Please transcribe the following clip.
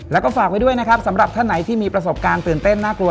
แล้วก็ฝากไว้ด้วยนะครับสำหรับท่านไหนที่มีประสบการณ์ตื่นเต้นน่ากลัว